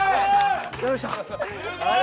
やりました。